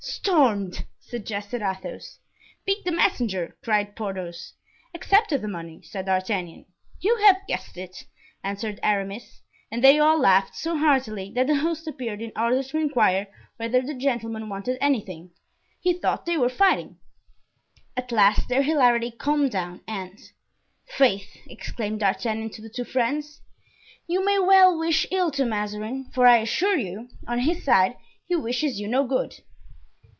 "Stormed!" suggested Athos. "Beat the messenger!" cried Porthos. "Accepted the money!" said D'Artagnan. "You have guessed it," answered Aramis; and they all laughed so heartily that the host appeared in order to inquire whether the gentlemen wanted anything; he thought they were fighting. At last their hilarity calmed down and: "Faith!" exclaimed D'Artagnan to the two friends, "you may well wish ill to Mazarin; for I assure you, on his side he wishes you no good."